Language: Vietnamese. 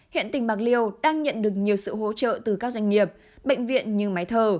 hiện tỉnh bạc liêu đang nhận được nhiều sự hỗ trợ từ các doanh nghiệp bệnh viện như máy thở